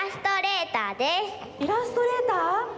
イラストレーター？